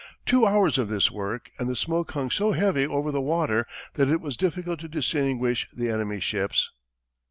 Two hours of this work, and the smoke hung so heavy over the water that it was difficult to distinguish the enemy's ships.